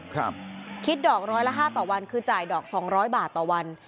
คิดดอกร้อยละห้าต่อวันคือจ่ายดอกสองร้อยบาทต่อวัน